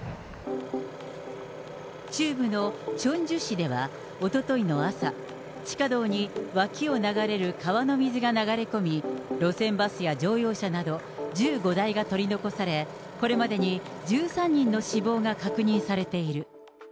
中部のチョンジュ市では、おとといの朝、地下道に脇を流れる川の水が流れ込み、路線バスや乗用車など１５台が取り残され、これまでに１３人の死亡が確認されている。